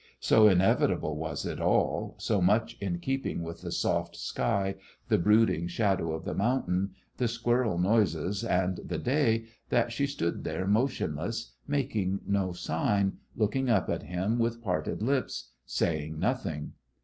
So inevitable was it all, so much in keeping with the soft sky, the brooding shadow of the mountain, the squirrel noises, and the day, that she stood there motionless, making no sign, looking up at him with parted lips, saying nothing.